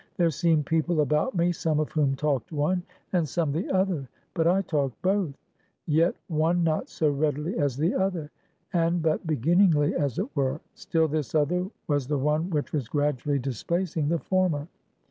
There seemed people about me, some of whom talked one, and some the other; but I talked both; yet one not so readily as the other; and but beginningly as it were; still this other was the one which was gradually displacing the former.